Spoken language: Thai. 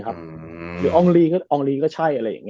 หรืออองลีก็ใช่